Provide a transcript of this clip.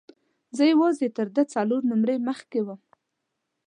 زه یوازې تر ده څلور نمرې مخکې وم.